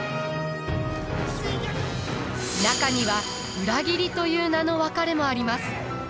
中には裏切りという名の別れもあります。